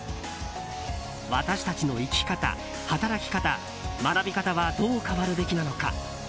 私たちの生き方、働き方学び方は、どう変わるべきなのか。